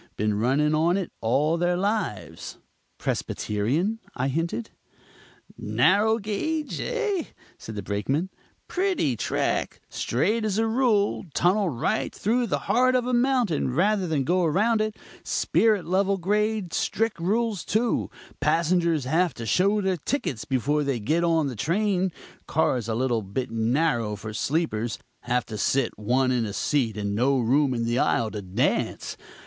Been running on it all their lives." "Presbyterian?" I hinted. "Narrow gauge, eh?" said the Brakeman; "pretty track; straight as a rule; tunnel right through the heart of a mountain rather than go around it; spirit level grade; strict rules, too; passengers have to show their tickets before they get on the train; cars a little bit narrow for sleepers; have to sit one in a seat and no room in the aisle to dance.